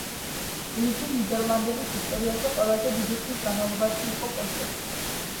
იგი ნიდერლანდების ისტორიაში ყველაზე დიდი ხნის განმავლობაში იყო კონსორტი.